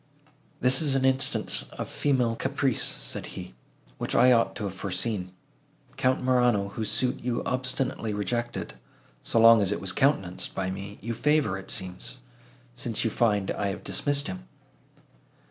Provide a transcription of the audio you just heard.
"This is an instance of female caprice," said he, "which I ought to have foreseen. Count Morano, whose suit you obstinately rejected, so long as it was countenanced by me, you favour, it seems, since you find I have dismissed him."